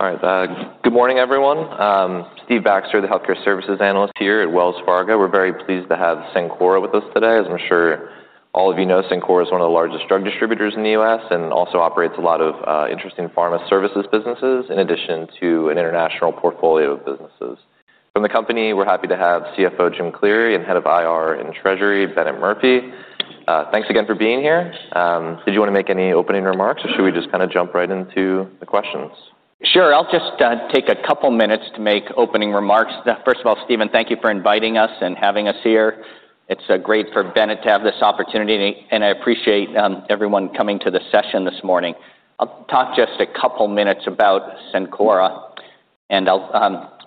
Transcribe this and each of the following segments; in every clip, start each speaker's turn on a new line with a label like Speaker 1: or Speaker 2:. Speaker 1: All right. Good morning, everyone. Steve Baxter, the Healthcare Services Analyst here at Wells Fargo. We're very pleased to have Cencora with us today. As I'm sure all of you know, Cencora is one of the largest drug distributors in the U.S. and also operates a lot of interesting pharma services businesses in addition to an international portfolio of businesses. From the company, we're happy to have CFO Jim Cleary and Head of IR and Treasury Bennett Murphy. Thanks again for being here. Did you want to make any opening remarks, or should we just kind of jump right into the questions?
Speaker 2: Sure. I'll just take a couple of minutes to make opening remarks. First of all, Stephen, thank you for inviting us and having us here. It's great for Bennett to have this opportunity, and I appreciate everyone coming to the session this morning. I'll talk just a couple of minutes about Cencora.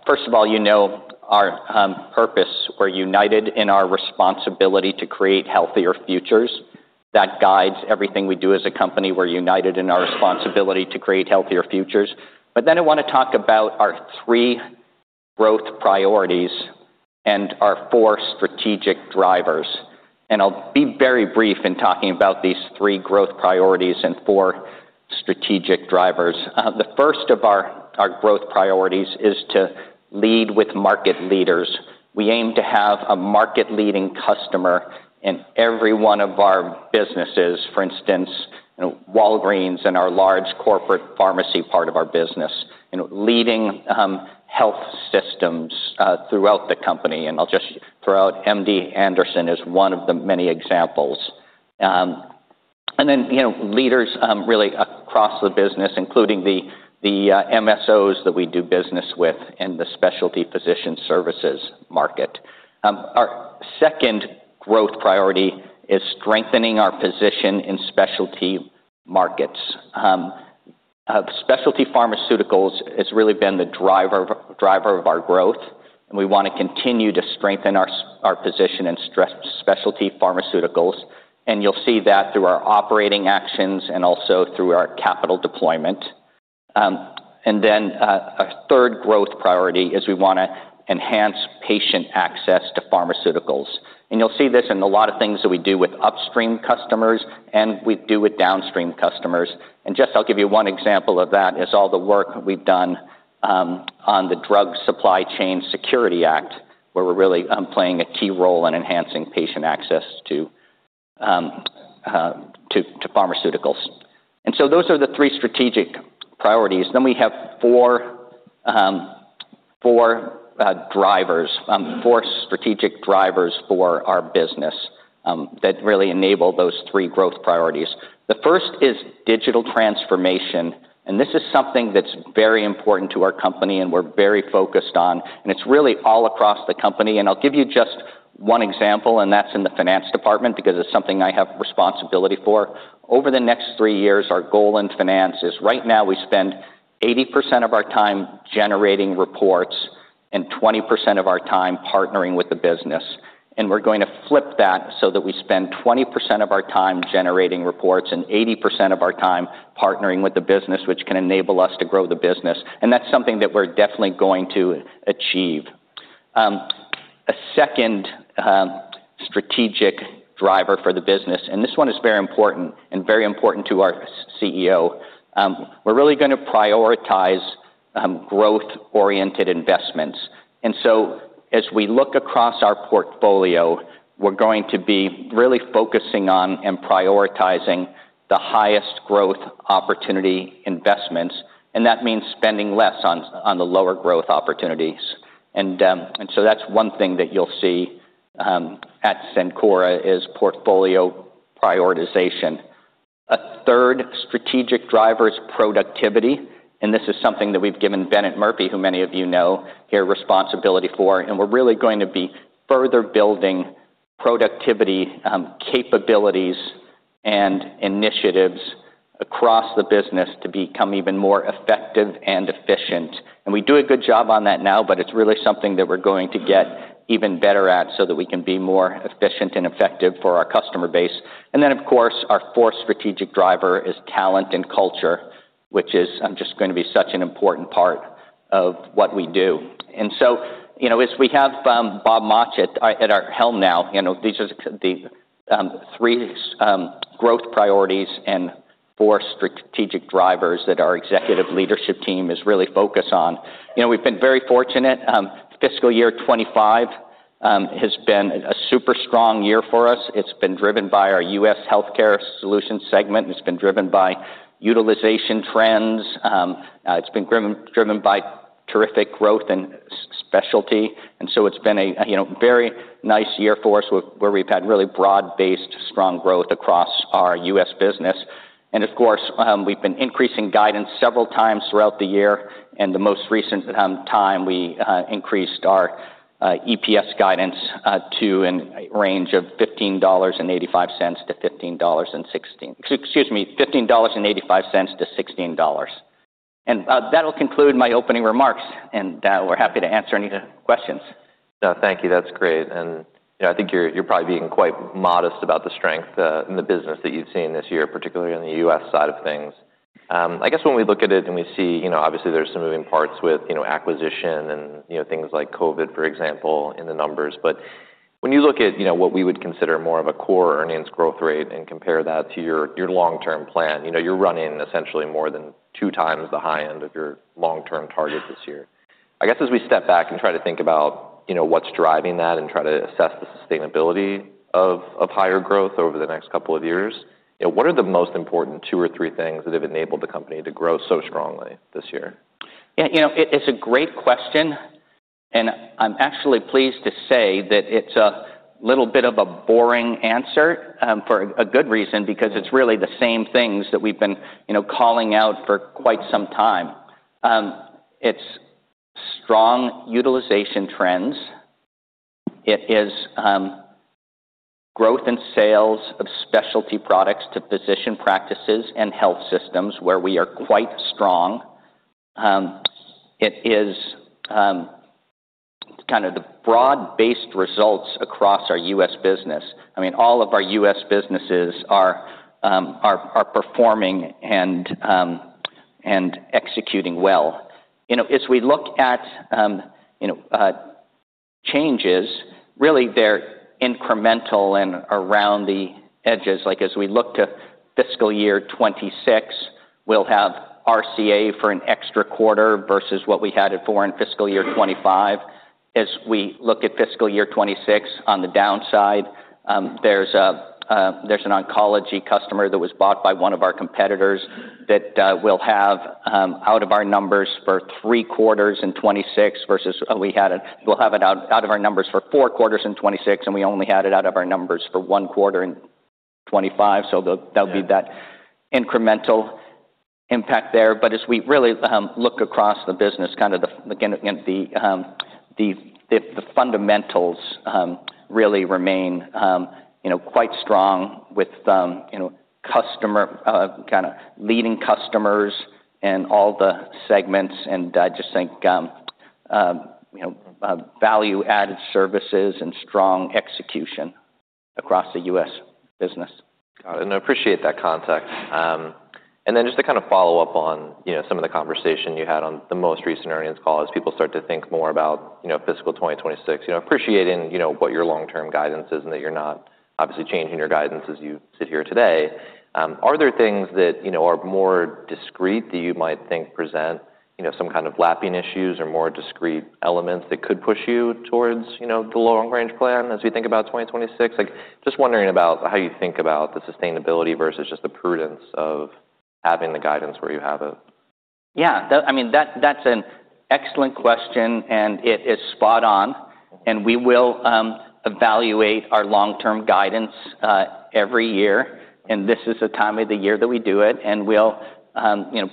Speaker 2: First of all, you know, our purpose. We're united in our responsibility to create healthier futures. That guides everything we do as a company. We're united in our responsibility to create healthier futures. I want to talk about our three growth priorities and our four strategic drivers. I'll be very brief in talking about these three growth priorities and four strategic drivers. The first of our growth priorities is to lead with market leaders. We aim to have a market-leading customer in every one of our businesses. For instance, Walgreens and our large corporate pharmacy part of our business, and leading health systems throughout the company. I'll just throw out MD Anderson as one of the many examples. You know, leaders really across the business, including the MSOs that we do business with in the specialty physician services market. Our second growth priority is strengthening our position in specialty markets. Specialty pharmaceuticals has really been the driver of our growth, and we want to continue to strengthen our position in specialty pharmaceuticals. You'll see that through our operating actions and also through our capital deployment. A third growth priority is we want to enhance patient access to pharmaceuticals. You'll see this in a lot of things that we do with upstream customers and we do with downstream customers. I'll give you one example of that: all the work we've done on the Drug Supply Chain Security Act, where we're really playing a key role in enhancing patient access to pharmaceuticals. Those are the three strategic priorities. We have four drivers, four strategic drivers for our business, that really enable those three growth priorities. The first is digital transformation. This is something that's very important to our company, and we're very focused on it. It's really all across the company. I'll give you just one example, and that's in the finance department because it's something I have responsibility for. Over the next three years, our goal in finance is right now we spend 80% of our time generating reports and 20% of our time partnering with the business. We're going to flip that so that we spend 20% of our time generating reports and 80% of our time partnering with the business, which can enable us to grow the business. That's something that we're definitely going to achieve. A second strategic driver for the business, and this one is very important and very important to our CEO, we're really going to prioritize growth-oriented investments. As we look across our portfolio, we're going to be really focusing on and prioritizing the highest growth opportunity investments. That means spending less on the lower growth opportunities. That's one thing that you'll see at Cencora is portfolio prioritization. A third strategic driver is productivity. This is something that we've given Bennett Murphy, who many of you know here, responsibility for. We're really going to be further building productivity capabilities and initiatives across the business to become even more effective and efficient. We do a good job on that now, but it's really something that we're going to get even better at so that we can be more efficient and effective for our customer base. Of course, our fourth strategic driver is talent and culture, which is just going to be such an important part of what we do. As we have Bob Mauch at our helm now, these are the three growth priorities and four strategic drivers that our executive leadership team is really focused on. We've been very fortunate. Fiscal year 2025 has been a super strong year for us. It's been driven by our U.S. Healthcare Solutions segment. It's been driven by utilization trends. It's been driven by terrific growth in specialty. It's been a very nice year for us where we've had really broad-based strong growth across our U.S. business. Of course, we've been increasing guidance several times throughout the year. The most recent time, we increased our EPS guidance to a range of $15.85- $16. That'll conclude my opening remarks. We're happy to answer any questions.
Speaker 1: No, thank you. That's great. I think you're probably being quite modest about the strength in the business that you've seen this year, particularly on the U.S. side of things. I guess when we look at it and we see, obviously, there's some moving parts with acquisition and things like COVID, for example, in the numbers. When you look at what we would consider more of a core earnings growth rate and compare that to your long-term plan, you're running essentially more than two times the high end of your long-term target this year. As we step back and try to think about what's driving that and try to assess the sustainability of higher growth over the next couple of years, what are the most important two or three things that have enabled the company to grow so strongly this year?
Speaker 2: Yeah. You know, it's a great question. I'm actually pleased to say that it's a little bit of a boring answer, for a good reason because it's really the same things that we've been calling out for quite some time. It's strong utilization trends. It is growth in sales of specialty products to physician practices and health systems where we are quite strong. It is kind of the broad-based results across our U.S. business. I mean, all of our U.S. businesses are performing and executing well. As we look at changes, really, they're incremental and around the edges. Like, as we look to fiscal year 2026, we'll have RCA for an extra quarter versus awhat we had it for in fiscal year 2025. As we look at fiscal year 2026 on the downside, there's an oncology customer that was bought by one of our competitors that we'll have out of our numbers for three quarters in 2026 versus, we'll have it out of our numbers for four quarters in 2026, and we only had it out of our numbers for one quarter in 2025. That would be that incremental impact there. As we really look across the business, the fundamentals really remain quite strong with leading customers in all the segments. I just think value-added services and strong execution across the U.S. business.
Speaker 1: Got it. I appreciate that context. Just to follow up on some of the conversation you had on the most recent earnings call as people start to think more about fiscal 2026, appreciating what your long-term guidance is and that you're not obviously changing your guidance as you sit here today, are there things that are more discreet that you might think present some kind of lapping issues or more discreet elements that could push you towards the long-range plan as we think about 2026? I'm just wondering about how you think about the sustainability versus just the prudence of having the guidance where you have it.
Speaker 2: Yeah, that's an excellent question, and it is spot on. We will evaluate our long-term guidance every year. This is the time of the year that we do it, and we'll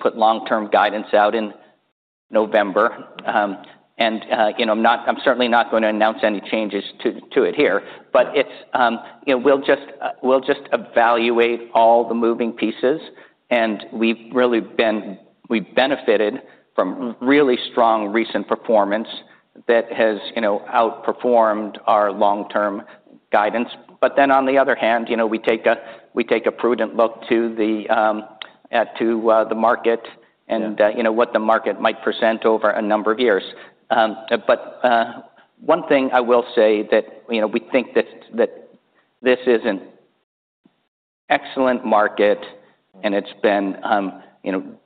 Speaker 2: put long-term guidance out in November. I'm certainly not going to announce any changes to it here. We'll just evaluate all the moving pieces. We've really benefited from really strong recent performance that has outperformed our long-term guidance. On the other hand, we take a prudent look to the market and what the market might present over a number of years. One thing I will say is that we think this is an excellent market, and it's been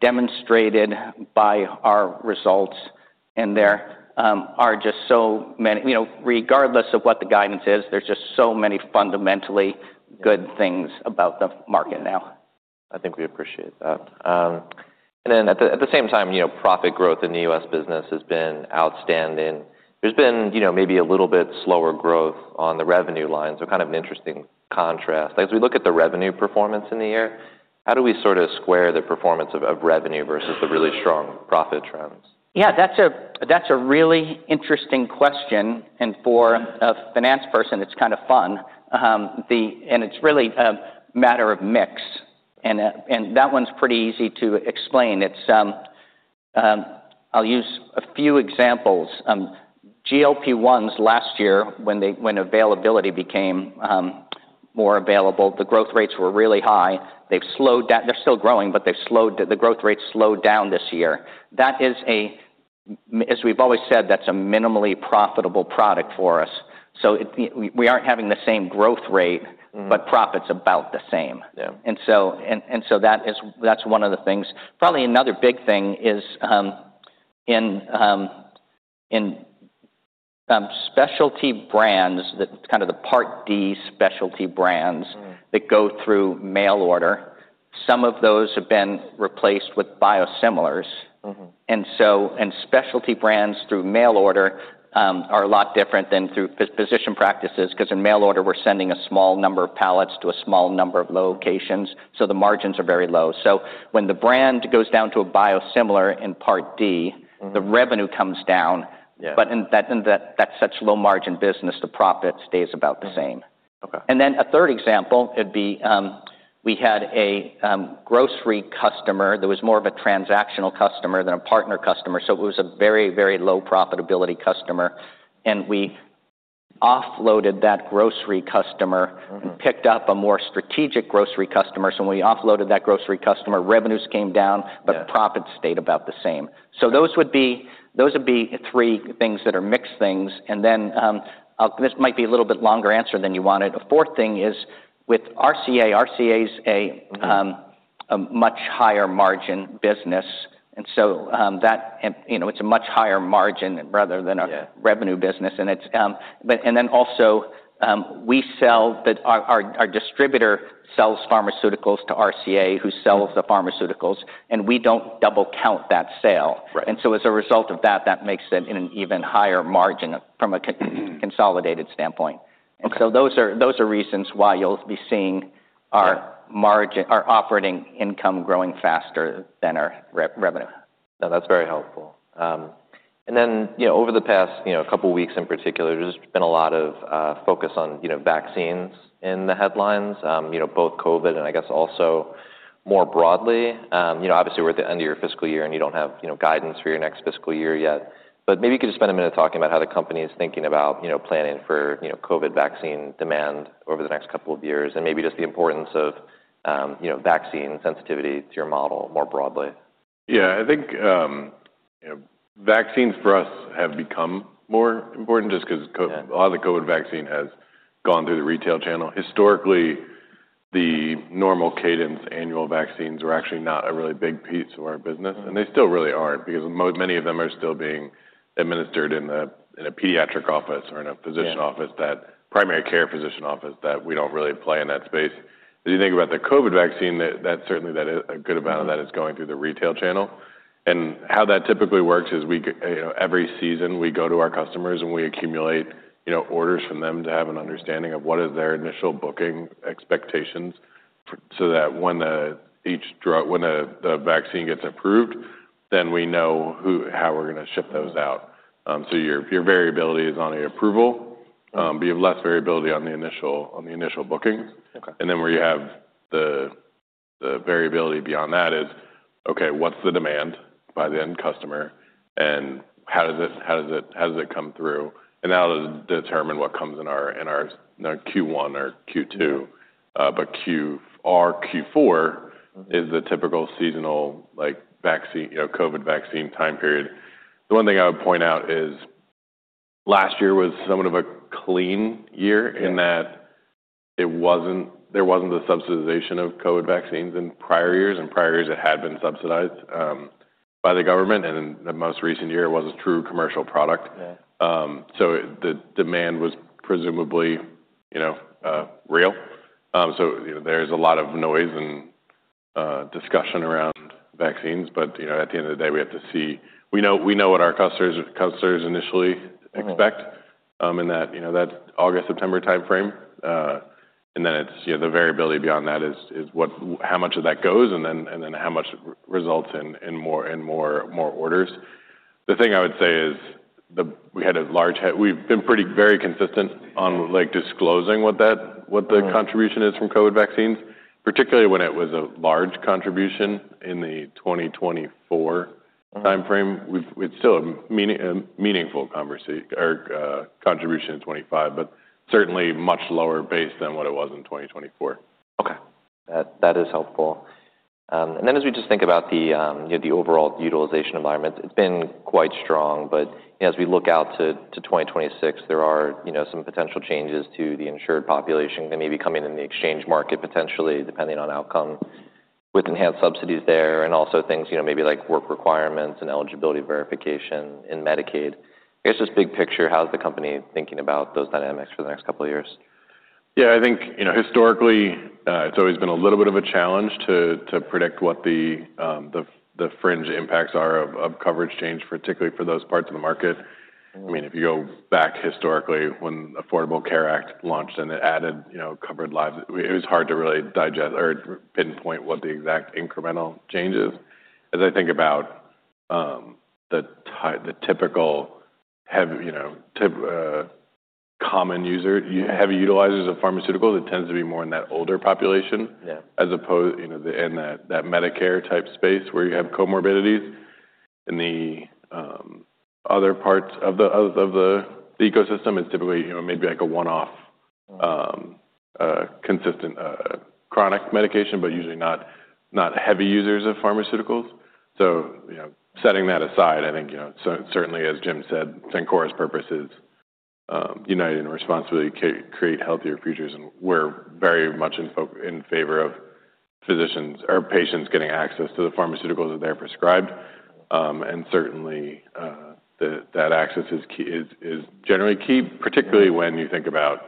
Speaker 2: demonstrated by our results. There are just so many, regardless of what the guidance is, there's just so many fundamentally good things about the market now.
Speaker 1: I think we appreciate that. At the same time, you know, profit growth in the U.S. business has been outstanding. There's been, you know, maybe a little bit slower growth on the revenue line. Kind of an interesting contrast. As we look at the revenue performance in the year, how do we sort of square the performance of revenue versus the really strong profit trends?
Speaker 2: Yeah. That's a really interesting question. For a finance person, it's kind of fun. It's really a matter of mix, and that one's pretty easy to explain. I'll use a few examples. GLP-1s last year, when availability became more available, the growth rates were really high. They've slowed down. They're still growing, but the growth rate slowed down this year. That is, as we've always said, a minimally profitable product for us. We aren't having the same growth rate, but profit's about the same. That is one of the things. Probably another big thing is, in specialty brands, the Part D specialty brands that go through mail order, some of those have been replaced with biosimilars. Specialty brands through mail order are a lot different than through physician practices because in mail order, we're sending a small number of pallets to a small number of locations. The margins are very low. When the brand goes down to a biosimilar in Part D, the revenue comes down. In that low margin business, the profit stays about the same.
Speaker 1: Okay.
Speaker 2: A third example would be, we had a grocery customer that was more of a transactional customer than a partner customer. It was a very, very low profitability customer. We offloaded that grocery customer and picked up a more strategic grocery customer. When we offloaded that grocery customer, revenues came down, but profit stayed about the same. Those would be three things that are mixed things. This might be a little bit longer answer than you wanted. A fourth thing is with RCA. RCA is a much higher margin business. It's a much higher margin rather than a revenue business. Also, our distributor sells pharmaceuticals to RCA, who sells the pharmaceuticals. We don't double count that sale.
Speaker 1: Right.
Speaker 2: As a result of that, that makes it an even higher margin from a consolidated standpoint. Those are reasons why you'll be seeing our margin, our operating income growing faster than our revenue.
Speaker 1: No, that's very helpful. Over the past couple of weeks in particular, there's been a lot of focus on vaccines in the headlines, both COVID and I guess also more broadly. Obviously, we're at the end of your fiscal year, and you don't have guidance for your next fiscal year yet. Maybe you could just spend a minute talking about how the company is thinking about planning for COVID vaccine demand over the next couple of years and maybe just the importance of vaccine sensitivity to your model more broadly.
Speaker 3: Yeah. I think, you know, vaccines for us have become more important just because a lot of the COVID vaccine has gone through the retail channel. Historically, the normal cadence annual vaccines were actually not a really big piece of our business. They still really aren't because many of them are still being administered in a pediatric office or in a physician office, that primary care physician office that we don't really play in that space. If you think about the COVID vaccine, a good amount of that is going through the retail channel. How that typically works is we, every season, go to our customers, and we accumulate orders from them to have an understanding of what is their initial booking expectations so that when each drug, when the vaccine gets approved, then we know how we're going to ship those out. Your variability is on the approval, but you have less variability on the initial bookings.
Speaker 1: Okay.
Speaker 3: Where you have the variability beyond that is, okay, what's the demand by the end customer? How does it come through? That'll determine what comes in our Q1 or Q2. Q4 is the typical seasonal, like, vaccine, you know, COVID vaccine time period. The one thing I would point out is last year was somewhat of a clean year in that there wasn't the subsidization of COVID vaccines in prior years. In prior years, it had been subsidized by the government. In the most recent year, it was a true commercial product.
Speaker 1: Yeah.
Speaker 3: The demand was presumably, you know, real. There's a lot of noise and discussion around vaccines. At the end of the day, we have to see, we know what our customers initially expect in that August, September time frame. The variability beyond that is what, how much of that goes, and then how much results in more and more orders. The thing I would say is we have been pretty consistent on disclosing what the contribution is from COVID vaccines, particularly when it was a large contribution in the 2024 time frame. It's still a meaningful contribution in 2025, but certainly much lower than what it was in 2024.
Speaker 1: Okay, that is helpful. As we just think about the overall utilization environments, it's been quite strong. As we look out to 2026, there are some potential changes to the insured population that may be coming in the exchange market potentially, depending on outcome with enhanced subsidies there and also things maybe like work requirements and eligibility verification in Medicaid. I guess just big picture, how is the company thinking about those dynamics for the next couple of years?
Speaker 3: Yeah. I think, you know, historically, it's always been a little bit of a challenge to predict what the fringe impacts are of coverage change, particularly for those parts of the market. I mean, if you go back historically when the Affordable Care Act launched and it added, you know, covered lives, it was hard to really digest or pinpoint what the exact incremental change is. As I think about the typical heavy, you know, type, common user heavy utilizers of pharmaceuticals, it tends to be more in that older population.
Speaker 1: Yeah.
Speaker 3: As opposed, you know, in that Medicare-t ype space where you have comorbidities. In the other parts of the ecosystem, it's typically, you know, maybe like a one-off, consistent, chronic medication, but usually not heavy users of pharmaceuticals. Setting that aside, I think, you know, certainly, as Jim said, Cencora's purpose is united in responsibility to create healthier futures. We're very much in favor of physicians or patients getting access to the pharmaceuticals that they're prescribed, and certainly, that access is generally key, particularly when you think about,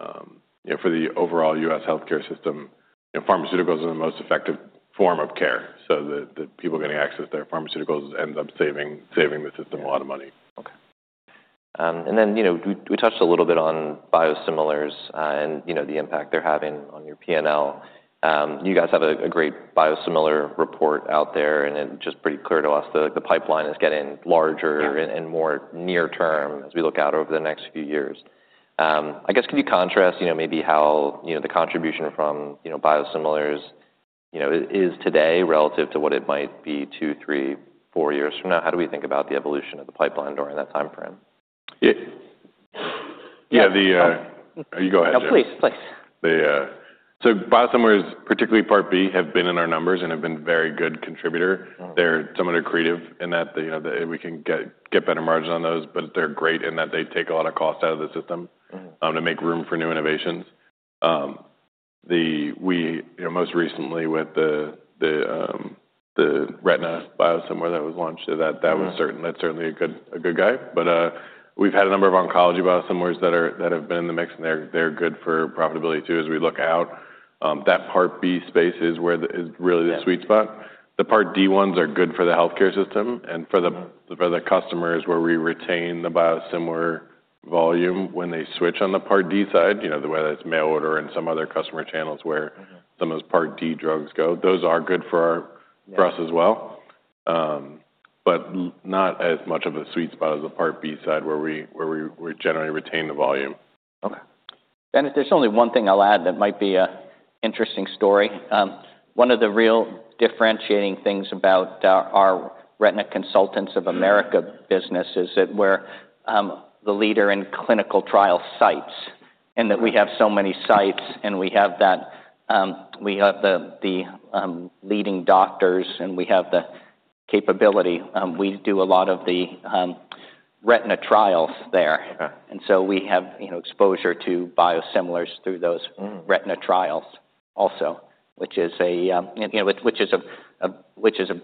Speaker 3: you know, for the overall U.S. healthcare system, pharmaceuticals are the most effective form of care. The people getting access to their pharmaceuticals ends up saving the system a lot of money.
Speaker 1: Okay, and then, you know, we touched a little bit on biosimilars, and, you know, the impact they're having on your P&L. You guys have a great biosimilar report out there, and it's just pretty clear to us that the pipeline is getting larger and more near term as we look out over the next few years. I guess, can you contrast, you know, maybe how the contribution from biosimilars is today relative to what it might be two, three, four years from now? How do we think about the evolution of the pipeline during that time frame?
Speaker 3: Yeah, you go ahead.
Speaker 2: No, please, please.
Speaker 3: Biosimilars, particularly Part B, have been in our numbers and have been a very good contributor. They're somewhat creative in that we can get better margins on those, but they're great in that they take a lot of cost out of the system to make room for new innovations. Most recently, with the retina biosimilar that was launched, that's certainly a good guide. We've had a number of oncology biosimilars that have been in the mix, and they're good for profitability too as we look out. That Part B space is really the sweet spot. The Part D ones are good for the healthcare system and for the customers where we retain the biosimilar volume when they switch on the Part D side. The way that's mail order and some other customer channels where some of those Part D drugs go, those are good for us as well, but not as much of a sweet spot as the Part B side where we generally retain the volume.
Speaker 1: Okay.
Speaker 2: There's only one thing I'll add that might be an interesting story. One of the real differentiating things about our RCA business is that we're the leader in clinical trial sites, and that we have so many sites. We have the leading doctors, and we have the capability. We do a lot of the retina trials there.
Speaker 1: Okay.
Speaker 2: We have exposure to biosimilars through those retina trials also, which is a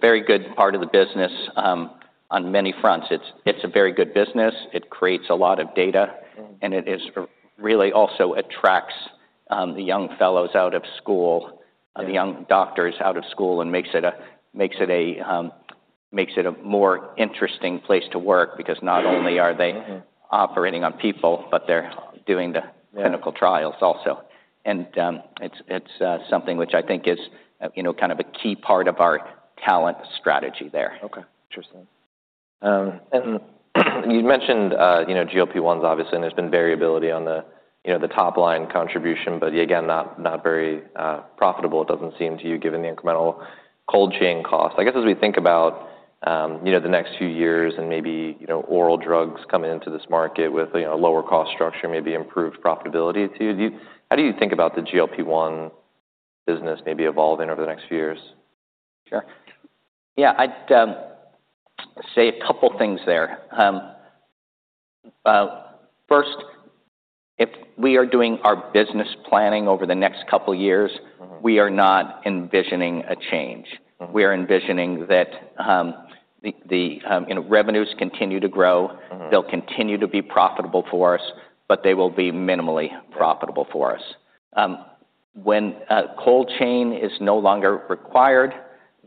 Speaker 2: very good part of the business on many fronts. It's a very good business. It creates a lot of data, and it really also attracts the young fellows out of school, the young doctors out of school, and makes it a more interesting place to work because not only are they operating on people, but they're doing the clinical trials also. It's something which I think is kind of a key part of our talent strategy there.
Speaker 1: Okay. Interesting. You mentioned, you know, GLP-1s, obviously, and there's been variability on the, you know, the top- line contribution, but, again, not very profitable, it doesn't seem to you, given the incremental cold- chain cost. I guess as we think about, you know, the next few years and maybe, you know, oral drugs coming into this market with, you know, a lower cost structure, maybe improved profitability too, how do you think about the GLP-1 business maybe evolving over the next few years?
Speaker 2: Sure. I'd say a couple of things there. First, if we are doing our business planning over the next couple of years, we are not envisioning a change. We are envisioning that the revenues continue to grow. They'll continue to be profitable for us, but they will be minimally profitable for us. When cold- chain is no longer required,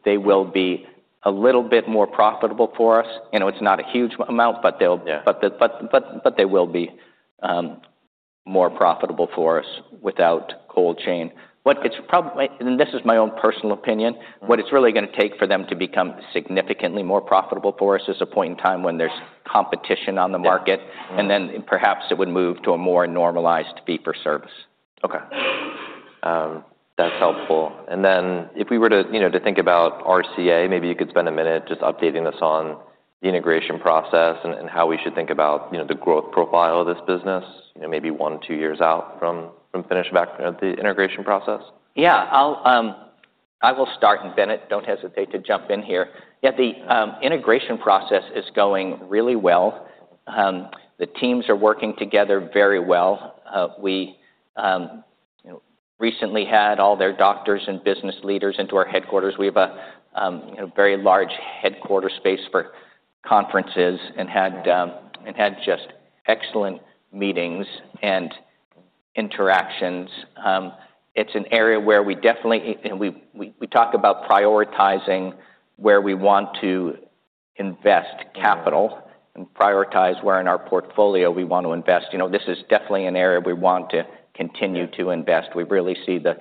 Speaker 2: they will be a little bit more profitable for us. You know, it's not a huge amount, but they will be more profitable for us without cold chain. What it's probably, and this is my own personal opinion, what it's really going to take for them to become significantly more profitable for us is a point in time when there's competition on the market, and then perhaps it would move to a more normalized fee for service.
Speaker 1: Okay, that's helpful. If we were to think about RCA, maybe you could spend a minute just updating us on the integration process and how we should think about the growth profile of this business, maybe one or two years out from finishing the integration process.
Speaker 2: Yeah. I will start, and Bennett, don't hesitate to jump in here. The integration process is going really well. The teams are working together very well. We recently had all their doctors and business leaders into our headquarters. We have a very large headquarter space for conferences and had just excellent meetings and interactions. It's an area where we definitely talk about prioritizing where we want to invest capital and prioritize where in our portfolio we want to invest. This is definitely an area we want to continue to invest. We really see the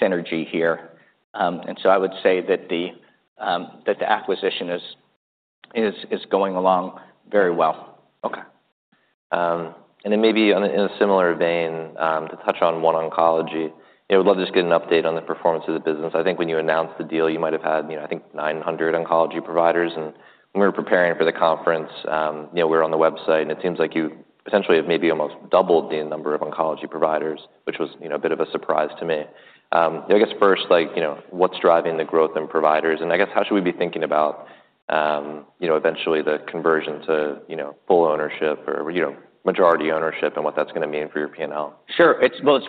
Speaker 2: synergy here, and so I would say that the acquisition is going along very well.
Speaker 1: Okay, and then maybe in a similar vein, to touch on OneOncology, we'd love to just get an update on the performance of the business. I think when you announced the deal, you might have had, I think, 900 oncology providers. When we were preparing for the conference, we were on the website, and it seems like you potentially have maybe almost doubled the number of oncology providers, which was a bit of a surprise to me. I guess first, what's driving the growth in providers? How should we be thinking about eventually the conversion to full ownership or majority ownership and what that's going to mean for your P&L?
Speaker 2: Sure. It's both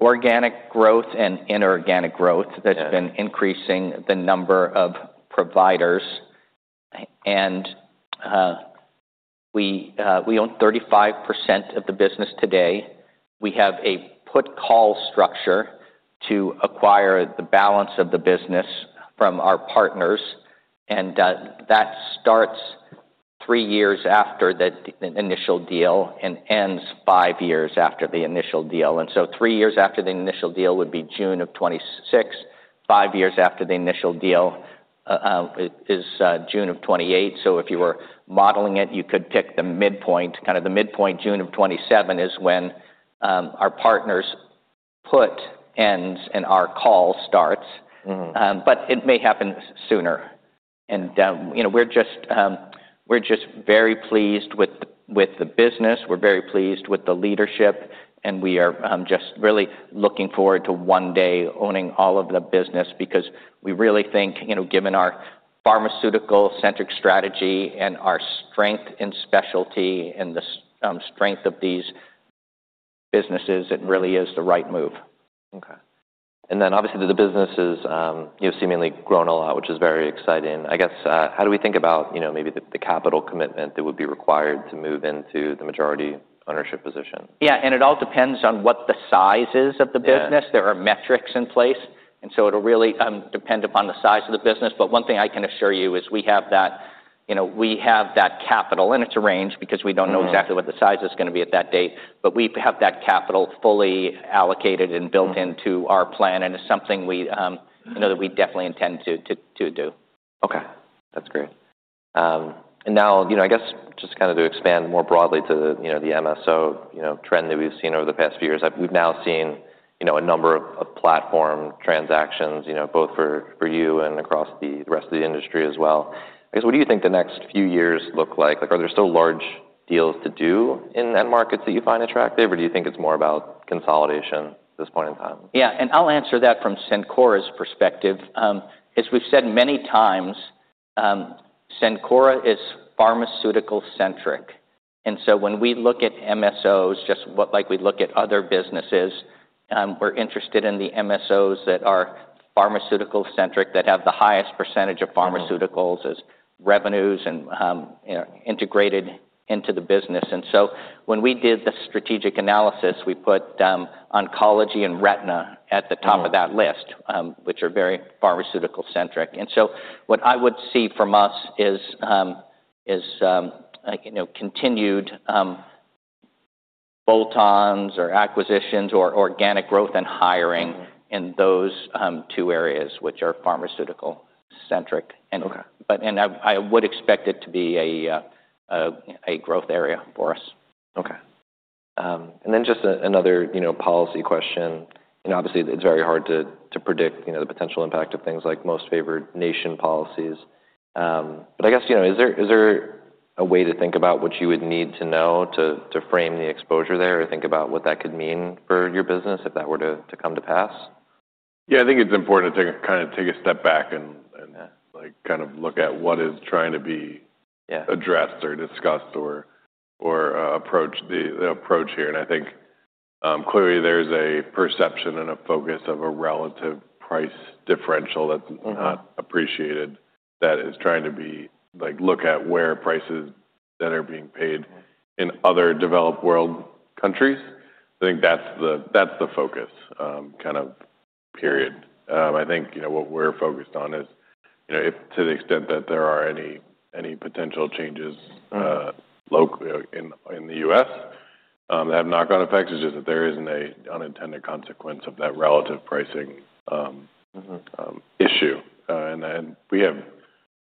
Speaker 2: organic growth and inorganic growth that's been increasing the number of providers. We own 35% of the business today. We have a put-call structure to acquire the balance of the business from our partners. That starts three years after that initial deal and ends five years after the initial deal. Three years after the initial deal would be June of 2026. Five years after the initial deal is June of 2028. If you were modeling it, you could pick the midpoint. Kind of the midpoint, June of 2027, is when our partners' put ends and our call starts.
Speaker 1: Mhmm.
Speaker 2: It may happen sooner. We're just very pleased with the business. We're very pleased with the leadership, and we are just really looking forward to one day owning all of the business because we really think, given our pharmaceutical-centric strategy and our strength in specialty and the strength of these businesses, it really is the right move.
Speaker 1: Okay. Obviously, the business is, you know, seemingly grown a lot, which is very exciting. I guess, how do we think about, you know, maybe the capital commitment that would be required to move into the majority ownership position?
Speaker 2: It all depends on what the size is of the business. There are metrics in place, so it'll really depend upon the size of the business. One thing I can assure you is we have that capital, and it's arranged because we don't know exactly what the size is going to be at that date. We have that capital fully allocated and built into our plan, and it's something we definitely intend to do.
Speaker 1: Okay. That's great. Now, just to expand more broadly to the MSO trend that we've seen over the past few years, we've now seen a number of platform transactions, both for you and across the rest of the industry as well. What do you think the next few years look like? Are there still large deals to do in markets that you find attractive, or do you think it's more about consolidation at this point in time?
Speaker 2: Yeah. I'll answer that from Cencora's perspective. As we've said many times, Cencora is pharmaceutical-centric. When we look at MSOs, just like we look at other businesses, we're interested in the MSOs that are pharmaceutical-centric, that have the highest percentage of pharmaceuticals as revenues and integrated into the business. When we did the strategic analysis, we put oncology and retina at the top of that list, which are very pharmaceutical-centric. What I would see from us is continued bolt-ons or acquisitions or organic growth and hiring in those two areas which are pharmaceutical-centric.
Speaker 1: Okay.
Speaker 2: I would expect it to be a growth area for us.
Speaker 1: Okay. Just another policy question. Obviously, it's very hard to predict the potential impact of things like most favored nation policies. I guess, is there a way to think about what you would need to know to frame the exposure there or think about what that could mean for your business if that were to come to pass?
Speaker 3: Yeah. I think it's important to take a step back and, like, kind of look at what is trying to be.
Speaker 1: Yeah.
Speaker 3: Addressed or discussed, or approach the approach here. I think, clearly, there's a perception and a focus of a relative price differential that's not appreciated, that is trying to be, like, look at where prices that are being paid in other developed world countries. I think that's the focus, kind of period. I think what we're focused on is if, to the extent that there are any potential changes locally in the U.S. that have knock-on effects, it's just that there isn't an unintended consequence of that relative pricing.
Speaker 1: Mhmm.
Speaker 3: We have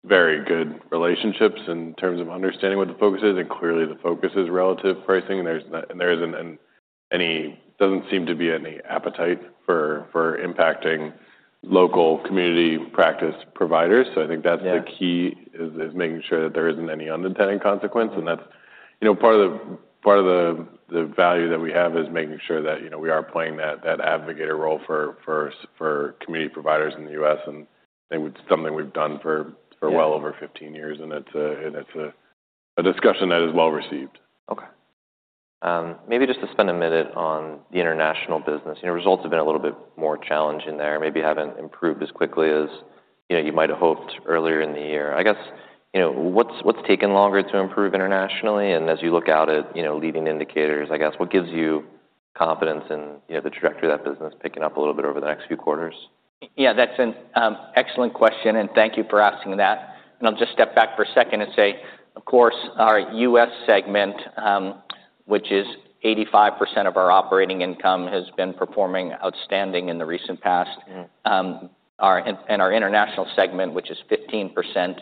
Speaker 3: very good relationships in terms of understanding what the focus is. Clearly, the focus is relative pricing, and there doesn't seem to be any appetite for impacting local community practice providers. I think that's the key, making sure that there isn't any unintended consequence. That's part of the value that we have, making sure that we are playing that advocator role for community providers in the U.S. I think it's something we've done for well over 15 years, and it's a discussion that is well- received.
Speaker 1: Okay. Maybe just to spend a minute on the international business. Results have been a little bit more challenging there, maybe haven't improved as quickly as you might have hoped earlier in the year. I guess what's taken longer to improve internationally? As you look out at leading indicators, what gives you confidence in the trajectory of that business picking up a little bit over the next few quarters?
Speaker 2: Yeah. That's an excellent question. Thank you for asking that. I'll just step back for a second and say, of course, our U.S. segment, which is 85% of our operating income, has been performing outstanding in the recent past.
Speaker 1: Mhmm.
Speaker 2: Our international segment, which is 15%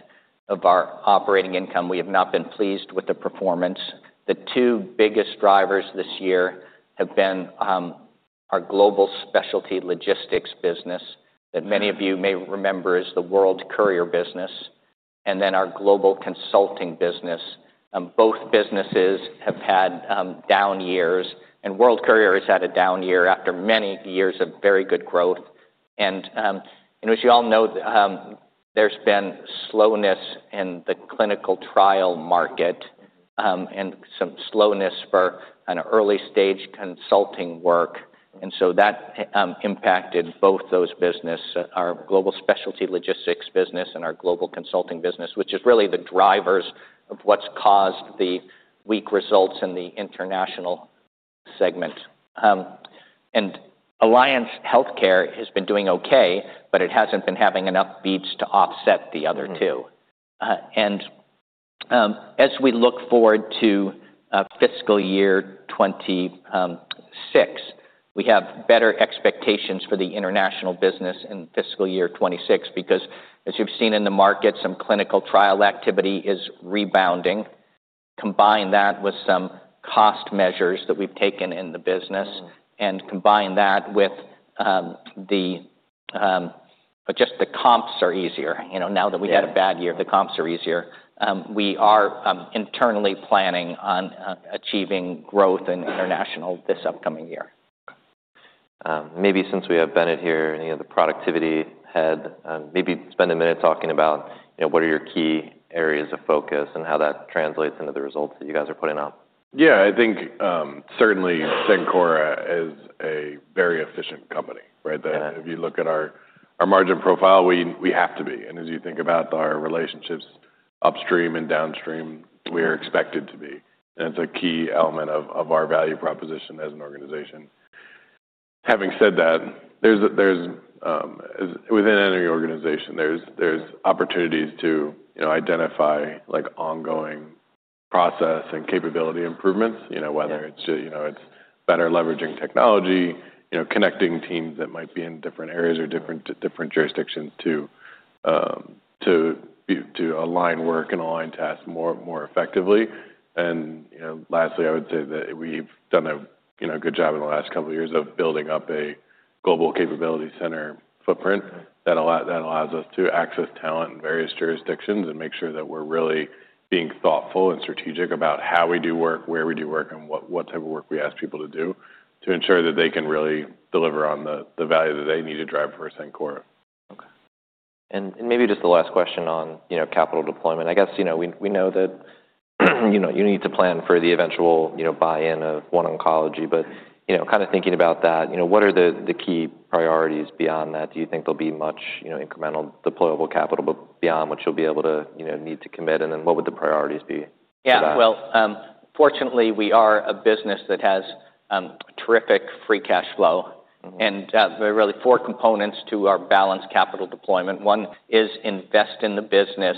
Speaker 2: of our operating income, we have not been pleased with the performance. The two biggest drivers this year have been our global specialty logistics business that many of you may remember as the World Courier business and then our global consulting business. Both businesses have had down years. World Courier has had a down year after many years of very good growth. As you all know, there's been slowness in the clinical trial market, and some slowness for kind of early-stage consulting work. That impacted both those businesses, our global specialty logistics business and our global consulting business, which is really the drivers of what's caused the weak results in the international segment. Alliance Healthcare has been doing okay, but it hasn't been having enough beats to offset the other two. As we look forward to fiscal year 2026, we have better expectations for the international business in fiscal year 2026 because, as you've seen in the market, some clinical trial activity is rebounding. Combine that with some cost measures that we've taken in the business.
Speaker 1: Mhmm.
Speaker 2: Combine that with just the comps are easier. You know, now that we had a bad year, the comps are easier. We are internally planning on achieving growth in international this upcoming year.
Speaker 1: Maybe since we have Bennett here, the productivity head, maybe spend a minute talking about what are your key areas of focus and how that translates into the results that you guys are putting out?
Speaker 3: Yeah, I think, certainly, Cencora is a very efficient company, right?
Speaker 1: Mhmm.
Speaker 3: If you look at our margin profile, we have to be. As you think about our relationships upstream and downstream, we are expected to be. It's a key element of our value proposition as an organization. Having said that, as within any organization, there are opportunities to identify ongoing process and capability improvements. Whether it's better leveraging technology, connecting teams that might be in different areas or different jurisdictions to align work and align tasks more effectively. Lastly, I would say that we've done a good job in the last couple of years of building up a global capability center footprint.
Speaker 1: Mhmm.
Speaker 3: That allows us to access talent in various jurisdictions and make sure that we're really being thoughtful and strategic about how we do work, where we do work, and what type of work we ask people to do to ensure that they can really deliver on the value that they need to drive for Cencora.
Speaker 1: Okay. Maybe just the last question on capital deployment. I guess we know that you need to plan for the eventual buy-in of OneOncology. Kind of thinking about that, what are the key priorities beyond that? Do you think there'll be much incremental deployable capital beyond what you'll be able to need to commit? What would the priorities be?
Speaker 2: Yeah. Fortunately, we are a business that has terrific free cash flow.
Speaker 1: Mhmm.
Speaker 2: There are really four components to our balanced capital deployment. One is invest in the business.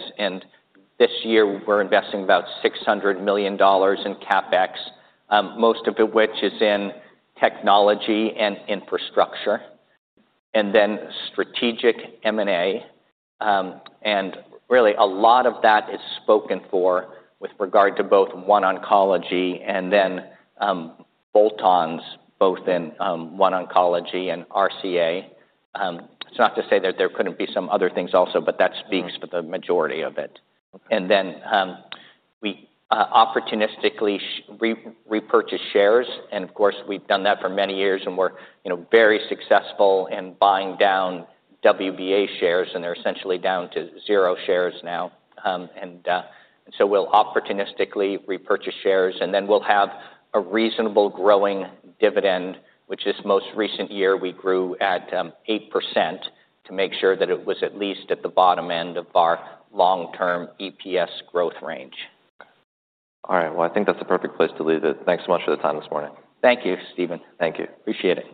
Speaker 2: This year, we're investing about $600 million in CapEx, most of it which is in technology and infrastructure. Then strategic M&A, and really, a lot of that is spoken for with regard to both OneOncology and then bolt-ons both in OneOncology and RCA. It's not to say that there couldn't be some other things also, but that speaks for the majority of it. We opportunistically repurchase shares. Of course, we've done that for many years, and we're very successful in buying down WBA shares, and they're essentially down to zero shares now. We'll opportunistically repurchase shares, and then we'll have a reasonable growing dividend, which this most recent year we grew at 8% to make sure that it was at least at the bottom end of our long-term EPS growth range.
Speaker 1: All right. I think that's a perfect place to leave it. Thanks so much for the time this morning.
Speaker 2: Thank you, Stephen. Thank you. Appreciate it.